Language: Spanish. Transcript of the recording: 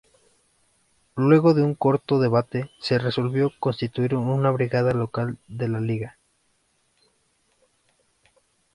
Luego de un corto debate, se resolvió constituir una brigada local de la Liga.